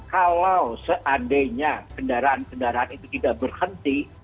kalau seandainya kendaraan kendaraan itu tidak berhenti